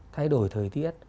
thay đổi thời tiết